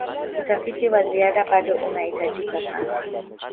utafiti wa ziada bado unahitajika sana